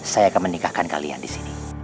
saya akan menikahkan kalian disini